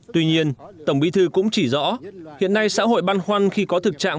tuy nhiên tổng bí thư cũng chỉ rõ hiện nay xã hội băn khoăn khi có thực trạng